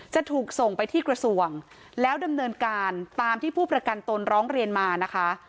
จะถูกส่งไปที่กระทรวงแล้วดำเนินการตามที่ผู้ประกันตนร้องเรียนมานะคะ